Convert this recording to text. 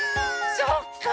そっか。